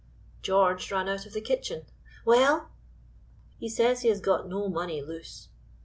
George ran out of the kitchen. "Well?" "He says he has got no money loose."